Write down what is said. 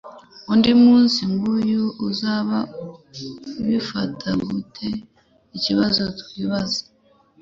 undi munsi nkuyuuza bifatagute ikibazo twibaza